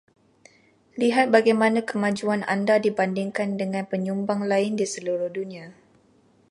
Lihat bagaimana kemajuan Anda dibandingkan dengan penyumbang lain di seluruh dunia.